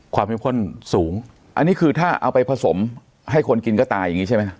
เข้มข้นสูงอันนี้คือถ้าเอาไปผสมให้คนกินก็ตายอย่างนี้ใช่ไหม